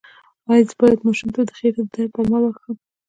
ایا زه باید ماشوم ته د خېټې د درد درمل ورکړم؟